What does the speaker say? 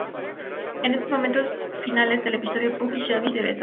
En los momentos finales del episodio, Puck y Shelby se besan.